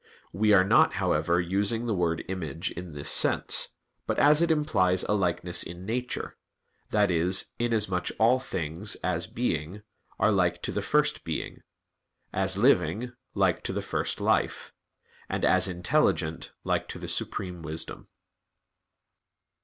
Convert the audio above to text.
We are not, however, using the word "image" in this sense; but as it implies a likeness in nature, that is, inasmuch as all things, as being, are like to the First Being; as living, like to the First Life; and as intelligent, like to the Supreme Wisdom.